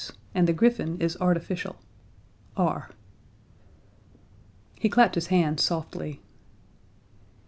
And the griffin is artificial. R. He clapped his hands softly.